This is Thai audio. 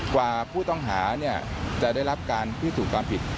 กว่าผู้ต้องหาจะได้รับการพิสูจน์ความผิด